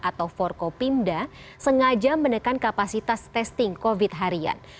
atau forkopimda sengaja menekan kapasitas testing covid harian